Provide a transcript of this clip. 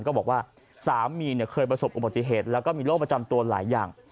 ก็บอกว่าสามีเคยประสบอุบัติเหตุแล้วก็มีโรคประจำตัวหลายอย่าง